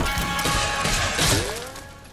ایا خبر په ویبپاڼه کې اپلوډ شوی دی؟